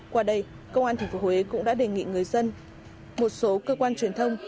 qua đây công an tp huế cũng đã đề nghị người dân một số cơ quan truyền thông